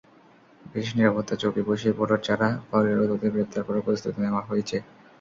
বিশেষ নিরাপত্তা চৌকি বসিয়ে ভোটার ছাড়া বহিরাগতদের গ্রেপ্তার করার প্রস্তুতি নেওয়া হয়েছে।